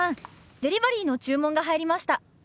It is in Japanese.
デリバリーの注文が入りました。